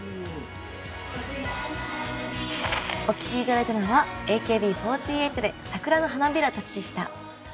お聴き頂いたのはＡＫＢ４８で「桜の花びらたち」でした。